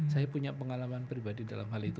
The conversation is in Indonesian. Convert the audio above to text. saya punya pengalaman pribadi dalam hal itu